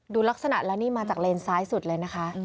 ดูลักษณะแล้วนี่มาจากเลนซ้ายสุดเลยนะคะ